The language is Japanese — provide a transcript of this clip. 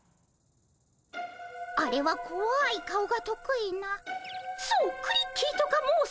あれはこわい顔が得意なそうクリッキーとか申す子鬼。